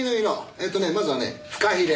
えっとねまずはねフカヒレ。